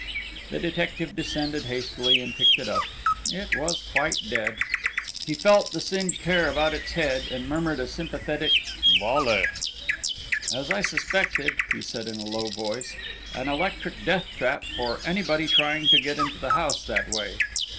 The detective descended hastily and picked it up. It was quite dead. He felt the singed hair about its head, and murmured a sympathetic "vale." "As I suspected," he said in a low voice, "an electric death trap for anybody trying to get into the house that way.